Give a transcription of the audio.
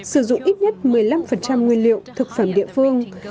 sử dụng ít nhất một mươi năm nguyên liệu thực phẩm địa phương